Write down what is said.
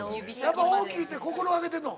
やっぱ大きいって心がけてるの？